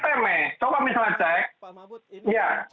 coba misalnya cek